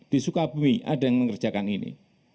di sukabumi ada yang mengerjakan ini